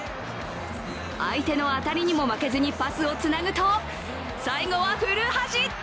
相手の当たりにも負けずにパスをつなぐと最後は古橋！